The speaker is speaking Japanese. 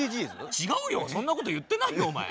違うよそんなこと言ってないよお前。